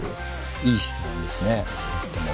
いい質問ですねとても。